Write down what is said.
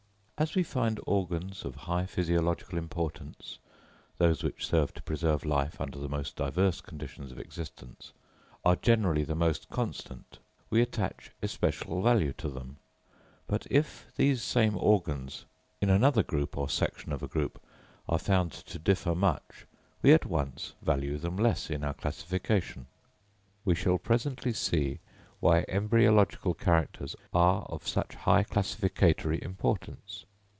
As we find organs of high physiological importance—those which serve to preserve life under the most diverse conditions of existence—are generally the most constant, we attach especial value to them; but if these same organs, in another group or section of a group, are found to differ much, we at once value them less in our classification. We shall presently see why embryological characters are of such high classificatory importance.